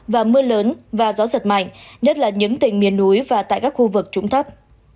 và mưa lớn và gió giật mạnh nhất là những tỉnh miền núi và tại các khu vực trũng thấp